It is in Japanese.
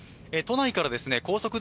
都内からですね